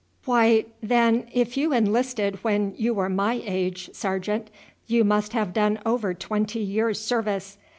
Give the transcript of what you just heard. "Why, then, if you enlisted when you were my age, sergeant, you must have done over twenty years' service."